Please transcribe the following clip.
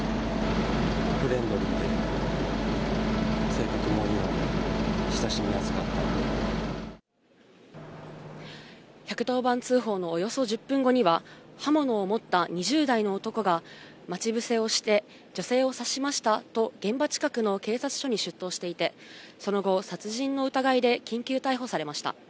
フレンドリーで性格もいいの１１０番通報のおよそ１０分後には、刃物を持った２０代の男が、待ち伏せをして、女性を刺しましたと現場近くの警察署に出頭していて、その後、殺人の疑いで緊急逮捕されました。